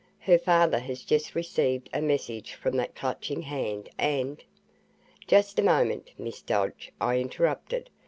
Her father has just received a message from that Clutching Hand and " "Just a moment, Miss Dodge," I interrupted.